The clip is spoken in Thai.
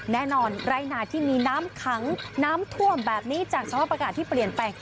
แน่นอนรายนาที่มีน้ำขังน้ำถวมแบบนี้จากชาวประกาศที่เปลี่ยนไป